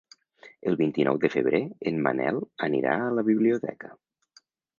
El vint-i-nou de febrer en Manel anirà a la biblioteca.